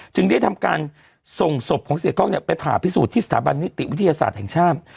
จึงได้ทำการส่งศพของเสียกล้องเนี่ยไปผ่าพิสูจน์ที่สถาบันนิติวิทยาศาสตร์แห่งชาติ